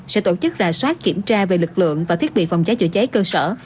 sẽ tổ chức rà soát kiểm tra về lực lượng và thiết bị phòng cháy chữa cháy cơ sở